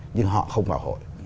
nhưng họ không vào hội